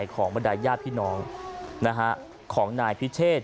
บรรดายญาติพี่น้องของนายพิเชษ